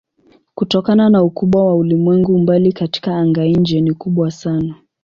Kutokana na ukubwa wa ulimwengu umbali katika anga-nje ni kubwa sana.